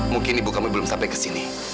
mungkin ibu kamu belum sampai kesini